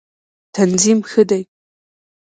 تنظیم ښه دی.